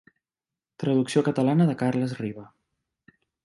Traducció catalana de Carles Riba.